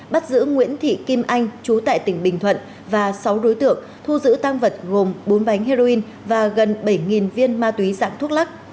bắt giữ nguyễn thị kim anh chú tại tỉnh bình thuận và sáu đối tượng thu giữ tăng vật gồm bốn bánh heroin và gần bảy viên ma túy dạng thuốc lắc